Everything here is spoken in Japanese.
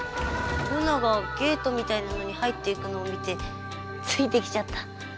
ルナがゲートみたいなのに入っていくのを見てついてきちゃった。